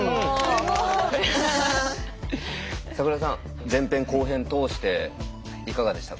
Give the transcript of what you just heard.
すごい！櫻田さん前編・後編通していかがでしたか？